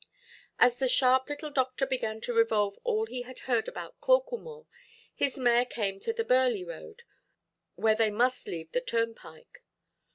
As the sharp little doctor began to revolve all he had heard about Corklemore, his mare came to the Burley–road where they must leave the turnpike.